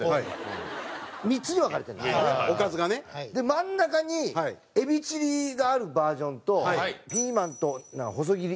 真ん中にエビチリがあるバージョンとピーマンと細切り。